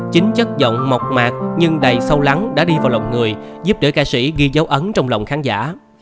chính chất giọng mộc mạc nhưng đầy sâu lắng đã đi vào lòng người giúp đỡ ca sĩ ghi dấu ấn trong lòng khán giả